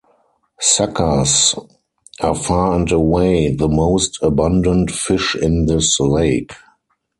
Suckers are far and away the most abundant fish in this lake.